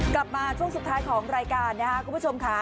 กลับมาช่วงสุดท้ายของรายการนะครับคุณผู้ชมค่ะ